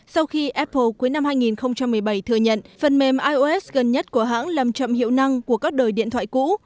sau khi apple cuối năm hai nghìn một mươi bảy thừa nhận phần mềm ios gần nhất của hãng làm chậm hiệu năng của các đời điện thoại cũ